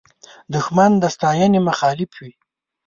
دښمن د ستاینې مخالف وي